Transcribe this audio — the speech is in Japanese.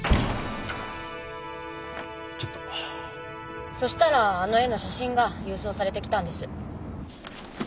・ちょっとそしたらあの絵の写真が郵送されてきたんです。